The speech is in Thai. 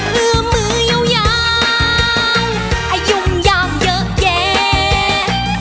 เงื่อมือยาวยาวอายุมยามเยอะแยะ